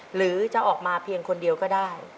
หรือจะออกมาเพียงคนเดียวก็ได้